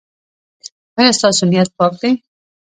ایا ستاسو نیت پاک دی؟